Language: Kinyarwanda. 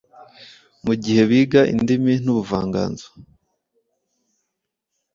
Mu gihe biga indimi n’ubuvanganzo,